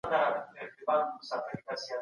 چې موږ ترې یو څه زده کړو.